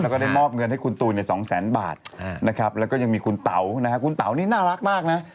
แล้วก็ได้มอบเงินให้คุณตูนอย่าง๒แสนบาทและก็มีคุณเต๋าปัเลครับนะคะคุณเต๋านี่น่ารักมากนะ